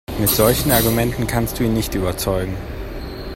Mit solchen Argumenten kannst du ihn nicht überzeugen.